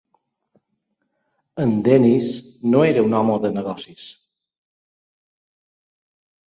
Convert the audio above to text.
En Dennis no era un home de negocis.